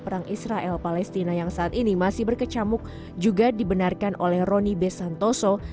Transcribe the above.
perang israel palestina yang saat ini masih berkecamuk juga dibenarkan oleh roni b santoso